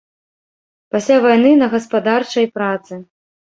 Пасля вайны на гаспадарчай працы.